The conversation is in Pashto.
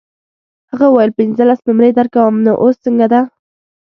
هغه وویل پنځلس نمرې درکوم نو اوس څنګه ده.